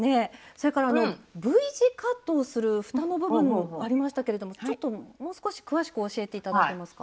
それからＶ字カットをするふたの部分もありましたけれどもちょっともう少し詳しく教えて頂けますか？